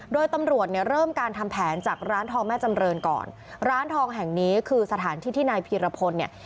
โดยตำรวจเนี่ยเริ่มการทำแผนจากร้านทองแม่จำเรินก่อนร้านทองแห่งนี้คือสถานที่ที่นายพีรพลเนี่ย